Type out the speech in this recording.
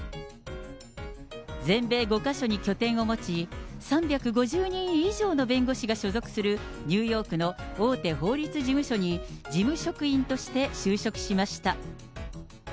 全米５か所に拠点を持ち、３５０人以上の弁護士が所属するニューヨークの大手法律事務所に事務職員として就職しました。